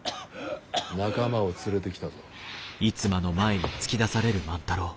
仲間を連れてきたぞ。